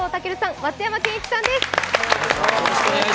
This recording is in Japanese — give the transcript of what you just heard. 松山ケンイチさんです。